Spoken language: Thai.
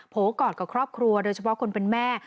กอดกับครอบครัวโดยเฉพาะคนเป็นแม่